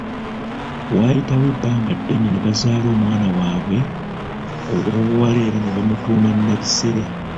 Waayitawo ebbanga ddene ne bazaala omwana waabwe ow’obuwala era ne bamutuuma Nabisere.